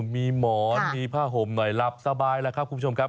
มีหมอนมีผ้าห่มหน่อยหลับสบายแล้วครับคุณผู้ชมครับ